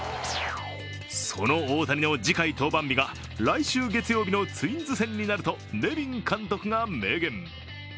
その大谷の次回登板日が来週月曜日のツインズ戦になるとネビン監督が明言。